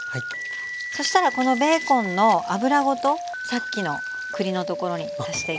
そしたらこのベーコンの脂ごとさっきの栗のところに足していきます。